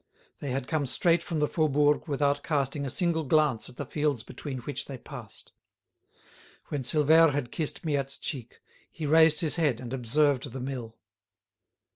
They had come straight from the Faubourg without casting a single glance at the fields between which they passed. When Silvère had kissed Miette's cheek, he raised his head and observed the mill.